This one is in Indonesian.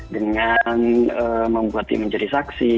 dengan membuat dia menjadi saksi